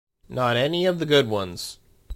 Not any of the good ones.